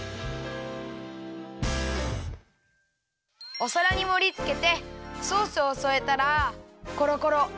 おさらにもりつけてソースをそえたら。